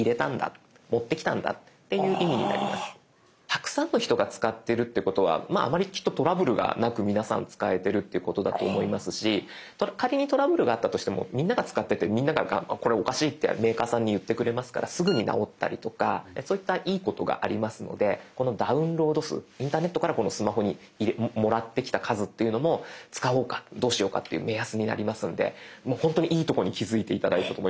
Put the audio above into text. たくさんの人が使ってるっていうことはあまりきっとトラブルがなく皆さん使えてるっていうことだと思いますし仮にトラブルがあったとしてもみんなが使っててみんながこれおかしいってメーカーさんに言ってくれますからすぐに直ったりとかそういったいいことがありますのでこのダウンロード数インターネットからこのスマホにもらってきた数というのも使おうかどうしようかっていう目安になりますので本当にいいとこに気付いて頂いたと思います。